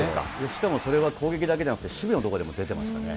しかもそれは攻撃だけじゃなくて守備のとこでも出てますからね。